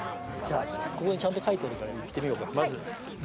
ここにちゃんと書いてあるから行ってみようか。